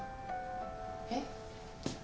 えっ？